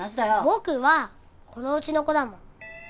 僕はこのうちの子だもん。